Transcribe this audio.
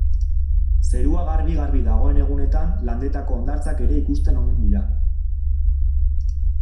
Zerua garbi-garbi dagoen egunetan Landetako hondartzak ere ikusten omen dira.